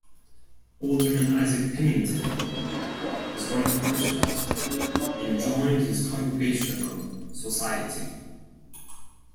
Alderman Isaac Pennington was one of his parishioners, and joined his congregational society.